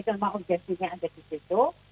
cuma objektifnya ada di situ